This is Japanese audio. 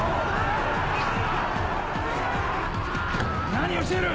何をしている！